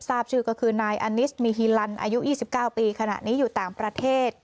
ทราบชื่อก็คือนายอนิสมีฮีลันอายุ๒๙ปีขณะนี้อยู่ต่างประเทศ